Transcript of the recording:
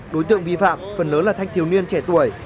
đối tượng vi phạm phần lớn là thanh thiếu niên trẻ tuổi